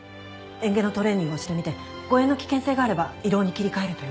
嚥下のトレーニングをしてみて誤嚥の危険性があれば胃ろうに切り替えるという事で。